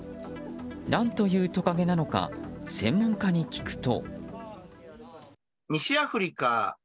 何というトカゲなのか専門家に聞くと。